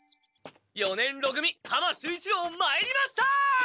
四年ろ組浜守一郎まいりました！